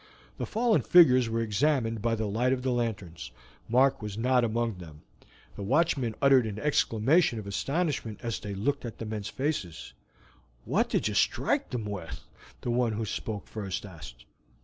The fallen figures were examined by the light of the lanterns. Mark was not among them. The watchmen uttered an exclamation of astonishment as they looked at the men's faces. "What did you strike them with?" the one who spoke first asked.